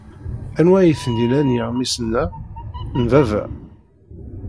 Anwa ay ten-ilan yeɣmisen-a? N baba.